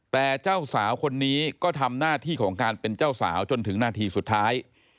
แต่เจ้าสาวคนนี้ก็ทำหน้าที่ของการเป็นเจ้าสาวจนถึงนาทีสุดท้าย